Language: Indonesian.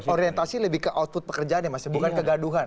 orientasi lebih ke output pekerjaannya mas bukan kegaduhan